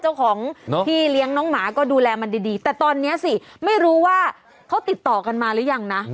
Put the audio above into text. เจ้าของที่เลี้ยงน้องหมาก็ดูแลมันดีแต่ตอนนี้สิไม่รู้ว่าเขาติดต่อกันมาหรือยังนะ